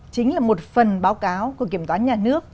chính là một phần báo cáo của kiểm toán nhà nước